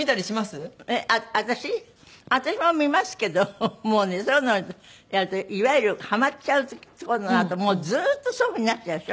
私も見ますけどもうねそういうのやるといわゆるハマっちゃうって事になるとずーっとそういうふうになっちゃうでしょ？